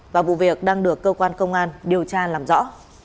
và vụ việc đang được cơ quan công an điều tra làm rõ